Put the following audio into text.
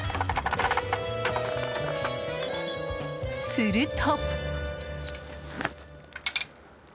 すると。